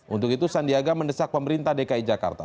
untuk itu sandiaga mendesak pemerintah dki jakarta